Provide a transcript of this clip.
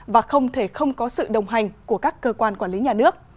và không thể không có sự đồng hành của các cơ quan quản lý nhà nước